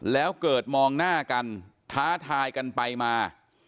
แล้วเกิดมองหน้ากันท้าทายกันไปมา